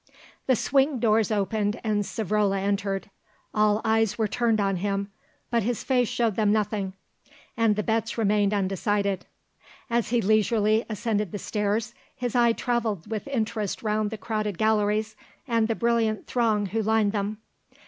The swing doors opened and Savrola entered. All eyes were turned on him, but his face showed them nothing, and the bets remained undecided. As he leisurely ascended the stairs, his eye travelled with interest round the crowded galleries and the brilliant throng who lined them.